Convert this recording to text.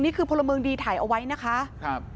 นี่คือพลเมืองดีถ่ายเอาไว้นะคะ